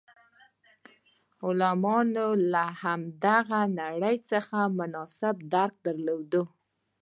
عالمانو له هماغه نړۍ څخه مناسب درک درلود.